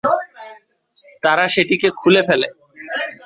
তারা সেটিকে খুলে ফেলে।